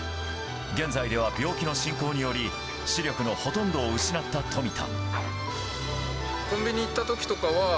現在では病気の進行により視力のほとんどを失った富田。